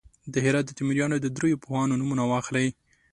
د هرات د تیموریانو د دریو پوهانو نومونه واخلئ.